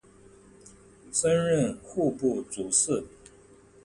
升任户部主事。